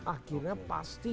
akhirnya pasti yang